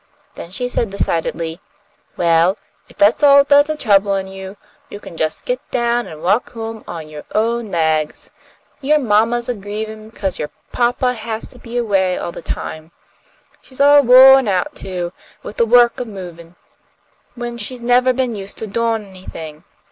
Then she said, decidedly, "Well, if that's all that's a troublin' you, you can jus' get down an' walk home on yo' own laigs. Yo' mamma's a grievin' 'cause yo' papa has to be away all the time. She's all wo'n out, too, with the work of movin', when she's nevah been used to doin' anything.